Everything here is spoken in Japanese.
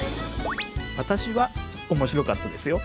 私は面白かったですよ。